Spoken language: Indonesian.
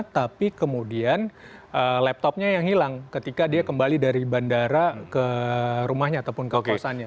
tapi kemudian laptopnya yang hilang ketika dia kembali dari bandara ke rumahnya ataupun ke kawasannya